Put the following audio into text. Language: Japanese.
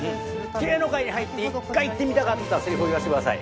芸能界に入って１回言ってみたかったせりふを言わせてください。